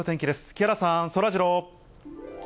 木原さん、そらジロー。